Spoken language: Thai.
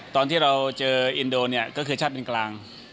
ตอนที่เราเจออินโดเนี่ยก็คือชาติบินกลาง